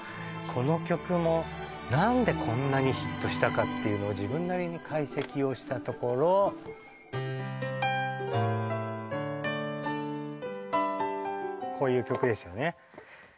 この曲も何でこんなにヒットしたかっていうのを自分なりに解析をしたところこういう曲ですよね